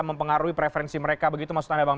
mempengaruhi preferensi mereka begitu maksud anda bang